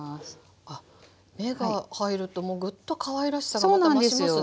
あ目が入るとグッとかわいらしさがまた増しますね。